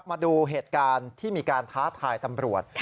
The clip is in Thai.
มาดูเหตุการณ์ที่มีการท้าทายตำรวจ